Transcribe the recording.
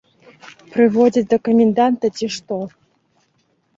Прыводзяць да каменданта, ці што.